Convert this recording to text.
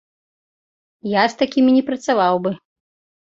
Я з такімі не працаваў бы.